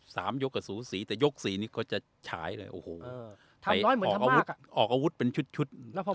สามยกกับสูศรีแต่ยกสี่นี่ก็จะฉายเลยพี่ออกอาวุธเป็นชุด